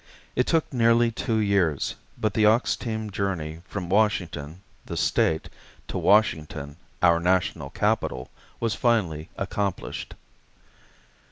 It took nearly two years, but the ox team journey from Washington, the state, to Washington, our national capital, was finally accomplished.